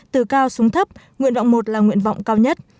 từ cao xuống thấp nguyện vọng một là nguyện vọng cao nhất